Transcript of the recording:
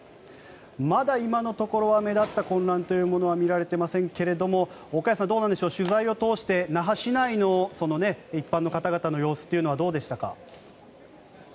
まだ今のところは目立った混乱は見られていませんが岡安さん、取材を通して那覇市内の一般の方々の様子というのはどうでしたか？